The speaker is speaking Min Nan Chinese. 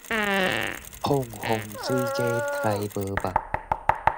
膨風水雞刣無肉